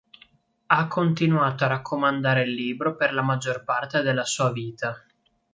Ha continuato a raccomandare il libro per la maggior parte della sua vita.